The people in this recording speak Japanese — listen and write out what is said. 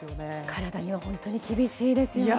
体には本当に厳しいですよね。